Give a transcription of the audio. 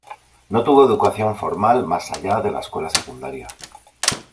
No tuvo educación formal más allá de la escuela secundaria.